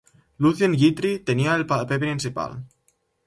Lucien Guitry tenia el paper principal.